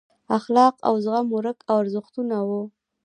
اخلاق او زغم ورک ارزښتونه وو.